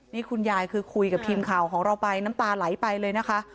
นี่คุณยายคือคุยกับทีมข่าวของเราไปน้ำตาไหลไปเลยนะคะ